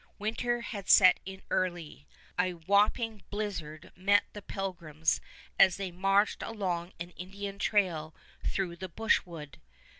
Winter had set in early. A whooping blizzard met the pilgrims as they marched along an Indian trail through the brushwood.